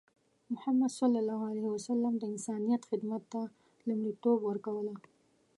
محمد صلى الله عليه وسلم د انسانیت خدمت ته لومړیتوب ورکوله.